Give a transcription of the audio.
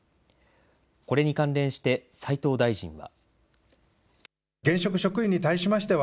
これに関連して斉藤大臣は。